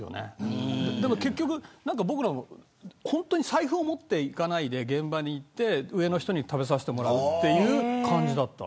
僕らは本当に財布を持っていかないで現場に行って上の人に食べさせてもらうという感じだった。